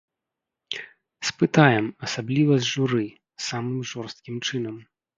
Спытаем, асабліва з журы, самым жорсткім чынам.